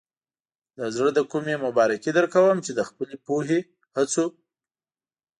د زړۀ له کومې مبارکي درکوم چې د خپلې پوهې، هڅو.